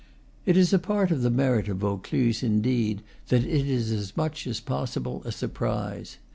It is a part of the merit of Vaucluse, indeed, that it is as much as possible a surprise.